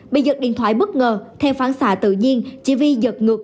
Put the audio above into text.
bị giật điện thoại bất ngờ theo phản xạ tự nhiên chị vy giật ngược lúc